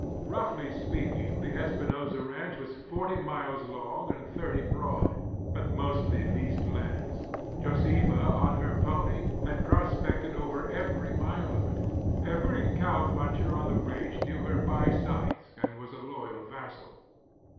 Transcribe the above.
Roughly speaking, the Espinosa Ranch is forty miles long and thirty broad—but mostly leased land. Josefa, on her pony, had prospected over every mile of it. Every cow puncher on the range knew her by sight and was a loyal vassal.